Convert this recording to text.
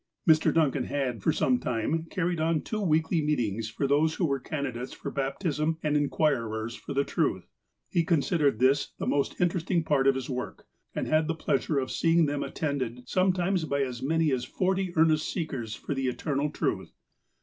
Mr. Duncan had, for some time, carried on two weekly meetings for those who were candidates for bap tism and inquirers for the truth. He considered this the most interesting part of his work, and had the pleasure of seeing them attended sometimes by as many as forty earnest seekers for the eternal truth.